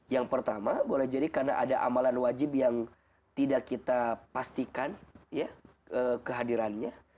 yang pertama boleh jadi karena ada amalan wajib yang tidak kita pastikan ya kehadirannya